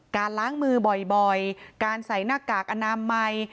การล้างมือบ่อยการใส่หน้ากากอนามัย